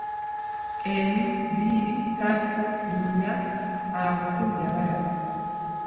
Emu, bbiri, ssatu, nnya, Aku yabala.